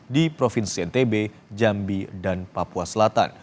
di provinsi ntb jambi dan papua selatan